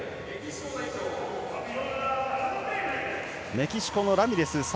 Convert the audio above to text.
メキシコのラミレス。